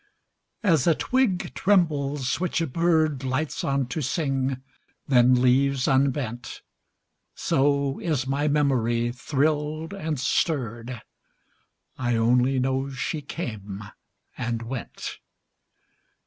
As a twig trembles, which a bird Lights on to sing, then leaves unbent, So is my memory thrilled and stirred; I only know she came and went.